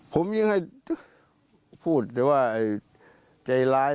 ผมยังให้พูดแต่ว่าใจร้าย